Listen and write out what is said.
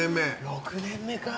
６年目かあ。